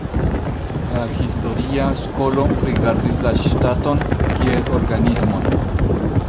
La historia skolo rigardis la ŝtaton kiel organismon.